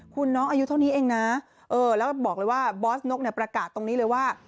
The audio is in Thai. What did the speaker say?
คุณน้องอายุเท่านี้เองนะแล้วบอกเลยว่าบอสนกเนี่ยประกาศตรงนี้เลยว่า